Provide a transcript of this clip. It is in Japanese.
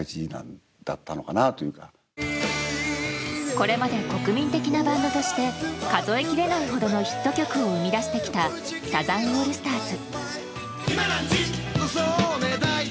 これまで国民的なバンドとして数えきれないほどのヒット曲を生み出してきたサザンオールスターズ。